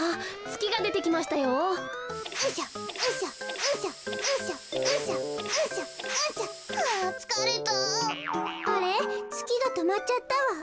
つきがとまっちゃったわ。